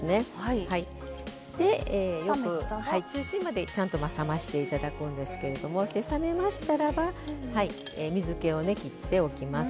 中心まで冷ましていただくんですけれども冷ましたらば水けを切っておきます。